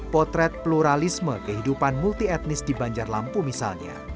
potret pluralisme kehidupan multi etnis di banjar lampu misalnya